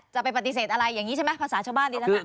จะไปปฏิเสธอะไรอย่างนี้ใช่ไหมภาษาชาวบ้านดิฉัน